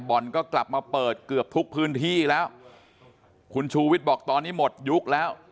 บ่อนก็กลับมาเปิดเกือบทุกพื้นที่แล้วคุณชูวิทย์บอกตอนนี้หมดยุคแล้ว